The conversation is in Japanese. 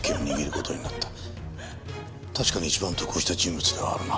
確かに一番得をした人物ではあるな。